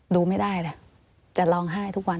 ดูไม่ได้แหละจะร้องไห้ทุกวัน